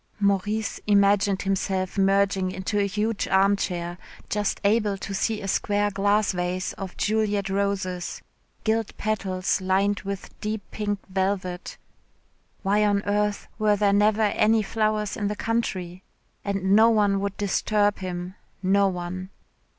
Maurice imagined himself merging into a huge armchair, just able to see a square glass vase of Juliette roses gilt petals lined with deep pink velvet. Why on earth were there never any flowers in the country? And no one would disturb him no one.